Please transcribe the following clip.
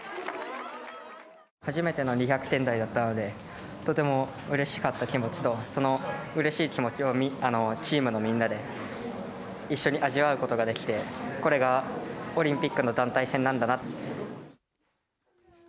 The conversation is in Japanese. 初めての２００点台だったので、とてもうれしかった気持ちと、そのうれしい気持ちをチームのみんなで一緒に味わうことができて、これがオリンピックの団体戦なんだなと。